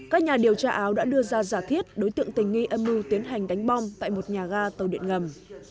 các nhà điều tra áo đã đưa ra giả thiết đối tượng tình nghi âm mưu tiến hành đánh bom tại một nhà ga tàu điện ngầm